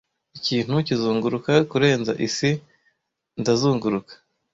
Ikintu kizunguruka kurenza isi ndazunguruka,